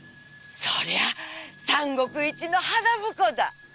そりゃ三国一の花婿だ。